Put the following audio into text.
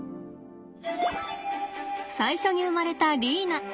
最初に生まれたリーナ。